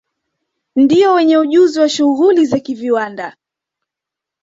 Ndio wenye ujuzi wa shughuli za kiviwanda